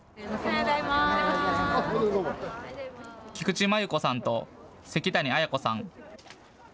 菊池麻由子さんと関谷文子さん。